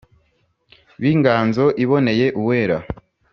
b’inganzo iboneye uwera